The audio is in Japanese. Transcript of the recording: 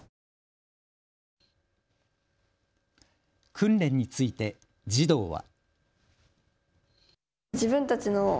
訓練について児童は。